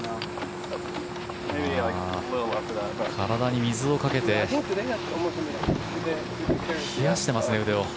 体に水をかけて冷やしてますね、腕を。